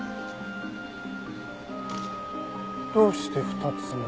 どうして２つも？